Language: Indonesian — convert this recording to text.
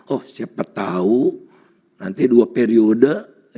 oh siapa tahu nanti dua periode